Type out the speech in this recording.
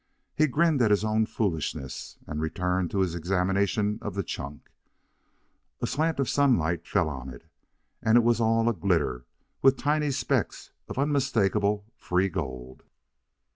He grinned at his own foolishness and returned to his examination of the chunk. A slant of sunlight fell on it, and it was all aglitter with tiny specks of unmistakable free gold.